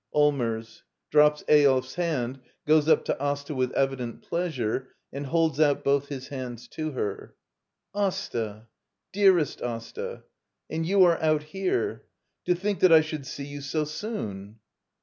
] Sllmers. [Drops Eyolf's hand, goes up to Asta with evident pleasure, and holds out both his hands to her.] Asta! Dearest Asta! And you are out here! To think that I should see you so soon!